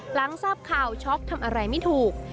หลังทราบข่าวช็อกทำอะไรไม่ถูก